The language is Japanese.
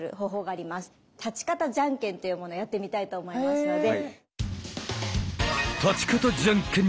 立ち方じゃんけんというものをやってみたいと思いますので。